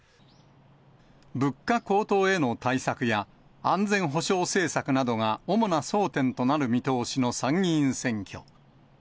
物価高騰への対策や、安全保障政策などが主な争点となる見通しの参議院選挙。